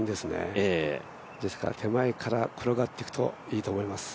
手前から転がっていくといいと思います。